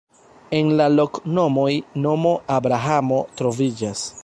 En la loknomoj nomo Abrahamo troviĝas.